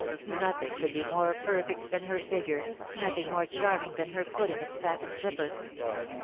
Nothing could be more perfect than her figure, nothing more charming than her foot in its satin slipper.